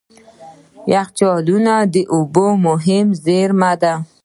یخچالونه د اوبو مهم زیرمه دي.